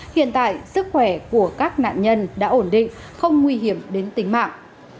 hiện tại sức khỏe của các nạn nhân đã ổn định không nguy hiểm đến tính mạng